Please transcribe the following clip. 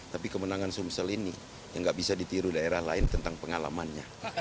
tapi kemenangan sumsel ini yang nggak bisa ditiru daerah lain tentang pengalamannya